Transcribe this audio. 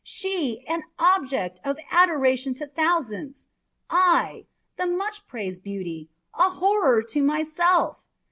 She, an object of adoration to thousands, I the much praised beauty a horror to myself!